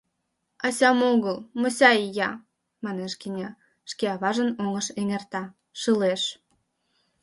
— Асям огыл... мося ия, — манеш Геня, шке аважын оҥыш эҥерта, шылеш.